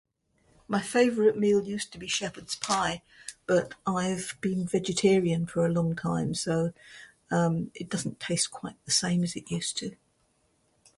My favorite meal used to be Shepard's pie, but I've been vegetarian for a long time, so, um, it doesn't taste quite the same as it used to.